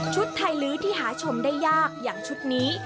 ไทยลื้อที่หาชมได้ยากอย่างชุดนี้